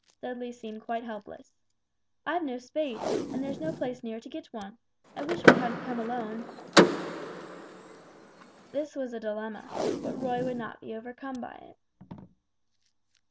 Dudley seemed quite helpless. "I've no spade, and there's no place near to get one. I wish we hadn't come alone." This was a dilemma, but Roy would not be overcome by it.